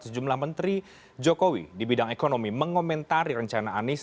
sejumlah menteri jokowi di bidang ekonomi mengomentari rencana anies